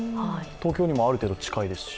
東京にもある程度近いですし。